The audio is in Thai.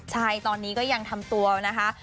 ใช่ตอนนี้ก็ยังทำตัวนะคะ